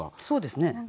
そうですね。